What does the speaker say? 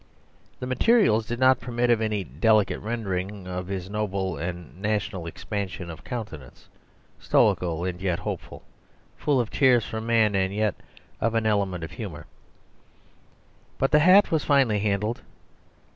The materials did not permit of any delicate rendering of his noble and national expansion of countenance (stoical and yet hopeful, full of tears for man, and yet of an element of humour); but the hat was finely handled.